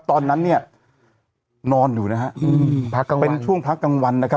ตอนนั้นเนี่ยนอนอยู่นะฮะพระกังวัลเป็นช่วงพระกังวัลนะครับ